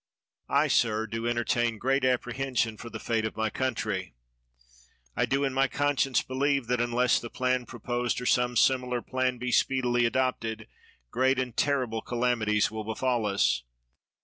I, sir, do entertain great apprehension for the fate of my country; I do in my conscience be lieve that, unless the plan proposed, or some similar plan, be speedily adopted, great and terrible calamities will befall us.